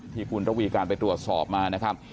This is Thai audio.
ที่คุณดุไมการไปตรวจสอบมา